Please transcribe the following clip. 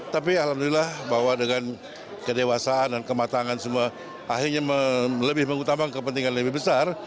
tapi alhamdulillah bahwa dengan kedewasaan dan kematangan semua akhirnya lebih mengutamakan kepentingan lebih besar